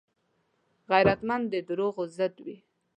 غیرتمند د دروغو ضد وي